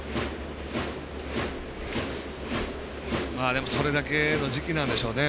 でも、それだけの時期なんでしょうね。